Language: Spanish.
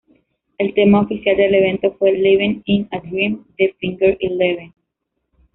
El tema oficial del evento fue ""Living in a Dream"" de Finger Eleven.